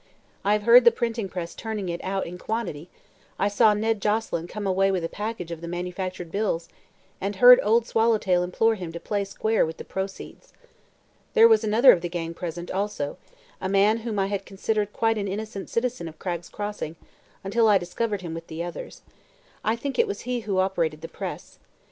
I have heard the printing press turning it out in quantity; I saw Ned Joselyn come away with a package of the manufactured bills and heard Old Swallowtail implore him to 'play square' with the proceeds. There was another of the gang present, also; a man whom I had considered quite an innocent citizen of Cragg's Crossing until I discovered him with the others. I think it was he who operated the press.